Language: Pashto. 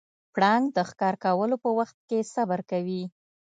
پړانګ د ښکار کولو په وخت کې صبر کوي.